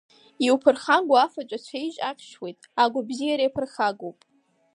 Иуԥырхагоу афатә ацәеижь аҟьшьуеит, агәаԥзиара иаԥырхагоуп.